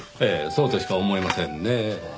そうとしか思えませんねぇ。